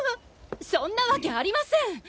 そんなワケありません！